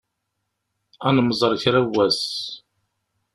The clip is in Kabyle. Ad nemẓeṛ kra n wass.